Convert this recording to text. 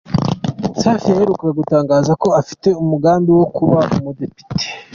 Safi yaherukaga gutangaza ko afite umugambi wo kuba umudepite.